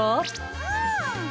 うん！